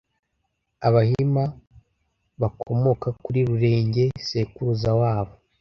abahima bakomoka kuri Rurenge sekuruza wabo